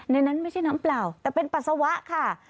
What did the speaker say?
นั้นไม่ใช่น้ำเปล่าแต่เป็นปัสสาวะค่ะ